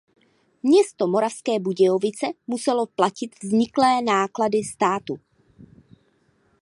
Město Moravské Budějovice muselo platit vzniklé náklady státu.